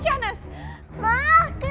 shahnas enggak enggak enggak